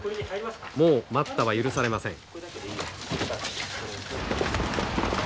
もう待ったは許されません。